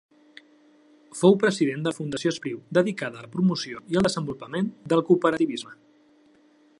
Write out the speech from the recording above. Fou president de la Fundació Espriu, dedicada a la promoció i el desenvolupament del cooperativisme.